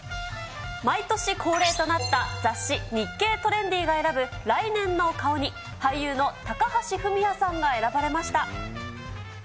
毎年恒例となった、雑誌、日経トレンディが選ぶ来年の顔に、俳優の高橋文哉さんが選ばれました。